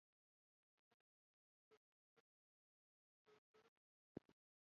هغه د خپل زوی د زده کړې د لګښتونو پوره کولو هڅه کوي